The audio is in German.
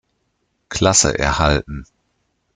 Klasse erhalten.